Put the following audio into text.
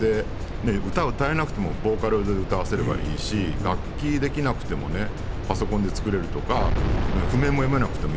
歌が歌えなくてもボーカロイドに歌わせればいいし楽器ができなくてもねパソコンで作れるとか譜面も読めなくていい。